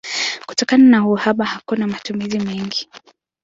Kutokana na uhaba hakuna matumizi mengi.